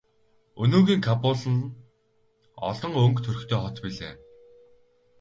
Өнөөгийн Кабул нь олон өнгө төрхтэй хот билээ.